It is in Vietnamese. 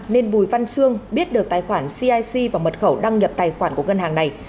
nên bùi văn xương biết được tài khoản cic và mật khẩu đăng nhập tài khoản của ngân hàng này